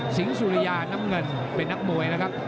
สุริยาน้ำเงินเป็นนักมวยนะครับ